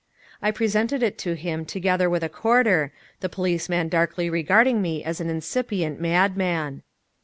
I presented it to him, together with a quarter, the policeman darkly regarding me as an incipient madman.